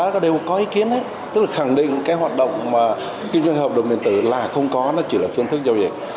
tức là khẳng định cái hoạt động mà kinh doanh hợp đồng biến tử là không có nó chỉ là phương thức giao diện